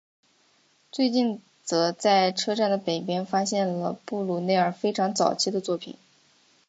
最近则在车站的北边发现了布鲁内尔非常早期的作品。